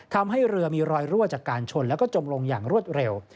ทำให้เรือมีรอยรั่วจากการชนแล้วก็จมลงอย่างรวดเร็ว